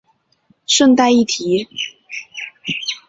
顺带一提